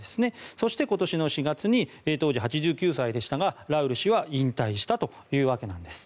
そして、今年４月に当時８９歳でしたがラウル氏は引退したというわけなんです。